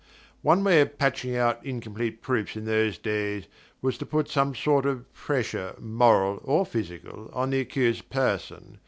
One way of patching out incomplete proofs in those days was to put some sort of pressure, moral or physical, on the accused person.